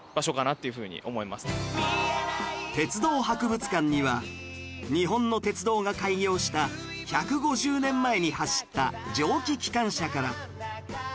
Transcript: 鉄道博物館には日本の鉄道が開業した１５０年前に走った蒸気機関車から